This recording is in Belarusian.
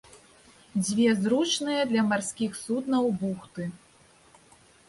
Дзве зручныя для марскіх суднаў бухты.